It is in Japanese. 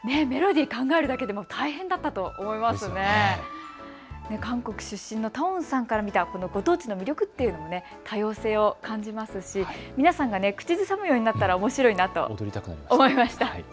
メロディー考えるだけでも大変だったＴＡＯＮさんから見た今のご当地の魅力多様性を感じさせますし皆さんが口ずさむようになったらおもしろいなと思いました。